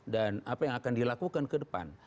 dan apa yang akan dilakukan ke depan